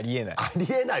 あり得ない！